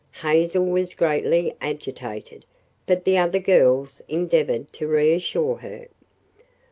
Hazel was greatly agitated, but the other girls endeavored to reassure her.